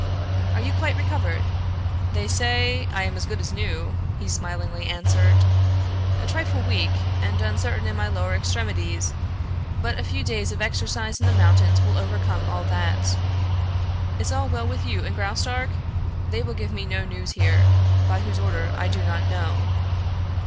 Are you quite recovered?" "They say I am as good as new," he smilingly answered. "A trifle weak and uncertain in my lower extremities, but a few days of exercise in the mountains will overcome all that. Is all well with you and Graustark? They will give me no news here, by whose order I do not know."